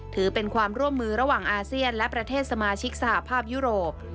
ถือเป็นความร่วมมือระหว่างอาเซียนและประเทศสมาชิกสหภาพยุโรป